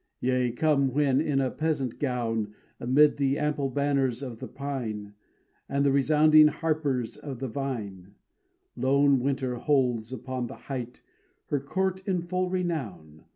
Yea, come when in a peasant gown, Amid the ample banners of the pine, And the resounding harpers of the vine, Lone winter holds upon the Height Her court in full renown.